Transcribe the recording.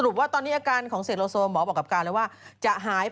คุณการวิพากรออกมาโพสต์ว่า